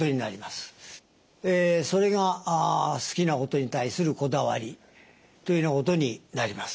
それが好きなことに対するこだわりというようなことになります。